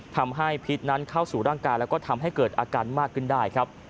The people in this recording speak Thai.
พิษนั้นเข้าสู่ร่างกายแล้วก็ทำให้เกิดอาการมากขึ้นได้ครับ